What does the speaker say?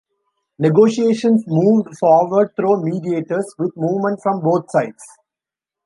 Negotiations moved forward through mediators, with movement from both sides.